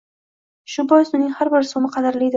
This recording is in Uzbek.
Shu bois uning har bir so‘mi qadrlidir.